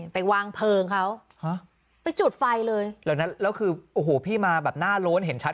ไปวางเพลิงเขาไปจูดไปเลยคือพี่มาแบบน่าโรนเห็นชัด